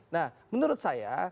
nah menurut saya